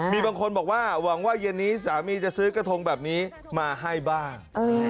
มีบางคนบอกว่าหวังว่าเย็นนี้สามีจะซื้อกระทงแบบนี้มาให้บ้าง